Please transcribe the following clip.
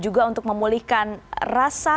untuk memulihkan rasa